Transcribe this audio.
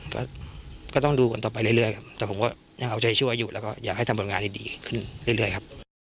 ก็ก็ต้องดูกันต่อไปเรื่อยครับแต่ผมก็ยังเอาใจช่วยอยู่แล้วก็อยากให้ทำผลงานให้ดีขึ้นเรื่อยครับ